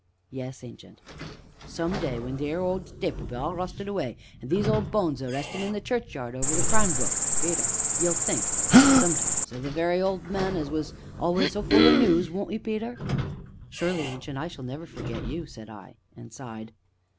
"Yes, Ancient?" "Some day when that theer old stapil be all rusted away, an' these old bones is a restin' in the churchyard over to Cranbrook, Peter you'll think, sometimes, o' the very old man as was always so full o' noos, won't 'ee, Peter?" "Surely, Ancient, I shall never forget you," said I, and sighed.